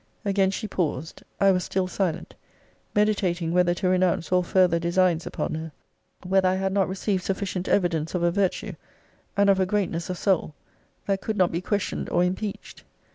Again she paused. I was still silent; meditating whether to renounce all further designs upon her; whether I had not received sufficient evidence of a virtue, and of a greatness of soul, that could not be questioned or impeached.